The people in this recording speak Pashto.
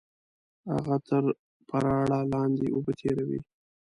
هغه تر پراړه لاندې اوبه تېروي